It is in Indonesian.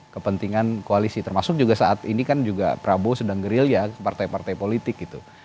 kepentingan koalisi termasuk juga saat ini kan juga prabowo sedang gerilya ke partai partai politik gitu